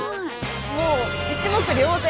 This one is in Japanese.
もう一目瞭然。